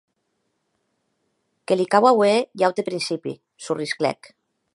Que li cau auer un aute principi!, sorrisclèc.